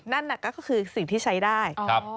นั่นก็คือสิ่งที่ใช้ได้